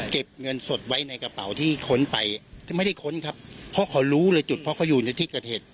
เก็บเงินสดไว้ในกระเป๋าที่ค้นไปไม่ได้ค้นครับเพราะเขารู้เลยจุดเพราะเขาอยู่ในที่เกิดเหตุ